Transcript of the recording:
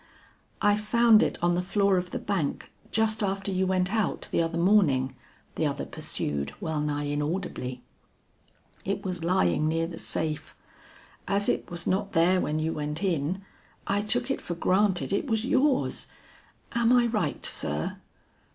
"I found it on the floor of the bank just after you went out the other morning," the other pursued well nigh inaudibly. "It was lying near the safe. As it was not there when you went in, I took it for granted it was yours. Am I right, sir?"